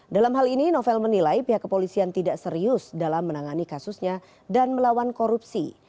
dalam hal ini novel menilai pihak kepolisian tidak serius dalam menangani kasusnya dan melawan korupsi